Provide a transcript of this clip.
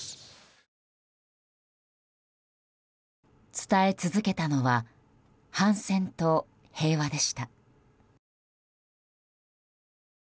伝え続けたのは反戦と平和でした。